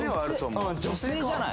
・うん女性じゃない？